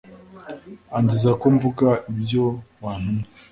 anziza ko mvuga ibyo wantumye